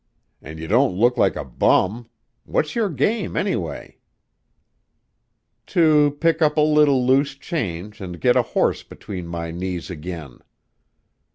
"And you don't look like a bum. What's your game, anyway?" "To pick up a little loose change and get a horse between my knees again."